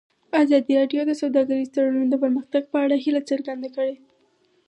ازادي راډیو د سوداګریز تړونونه د پرمختګ په اړه هیله څرګنده کړې.